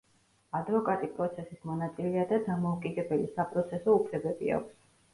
ადვოკატი პროცესის მონაწილეა და დამოუკიდებელი საპროცესო უფლებები აქვს.